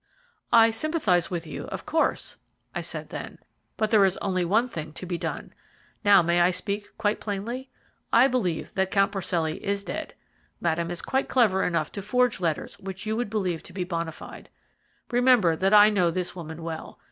"I sympathize with you, of course," I said then; "but there is only one thing to be done. Now, may I speak quite plainly? I believe that Count Porcelli is dead. Madame is quite clever enough to forge letters which you would believe to be bonâ fide. Remember that I know this woman well.